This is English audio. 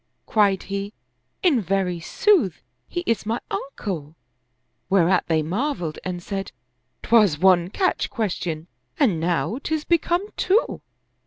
Cried he, " In very sooth, he is my uncle "; whereat they marveled and said, " 'Twas one catch question and now 'tis become two."